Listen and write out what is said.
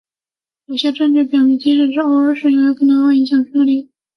有些证据表明即便是偶尔使用也可能会影响视力。